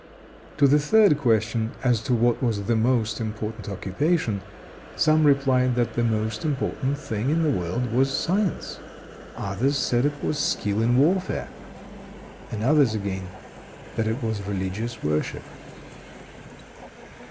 To the third question, as to what was the most important occupation: some replied that the most important thing in the world was science. Others said it was skill in warfare; and others, again, that it was religious worship.